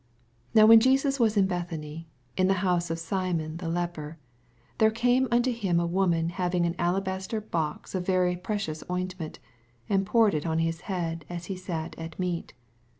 6 Now when Jesns was in Bethany, in the hoose of Simon the leper, 7 There came nnto him a woman having an alabaster box of very pre cious ointment, and poured it on his head, as he sat at meat.